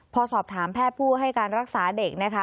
พอสอบถามแพทย์ผู้ให้การรักษาเด็กนะคะ